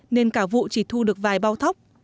nên cả vụ chỉ thu được vài bao thóc